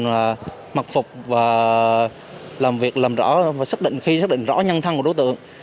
đối tượng mặc phục và làm việc làm rõ và xác định khi xác định rõ nhân thăng của đối tượng